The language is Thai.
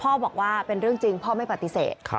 บอกว่าเป็นเรื่องจริงพ่อไม่ปฏิเสธ